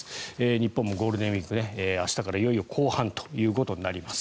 日本もゴールデンウィーク明日からいよいよ後半ということになります。